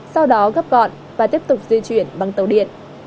sau đó gấp gọn và tiếp tục di chuyển bằng tàu điện